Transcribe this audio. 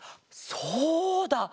そうだ！